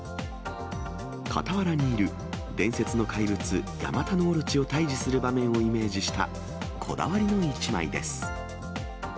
傍らにいる、伝説の怪物、ヤマタノオロチを退治する場面をイメージした、こだわりの１枚です。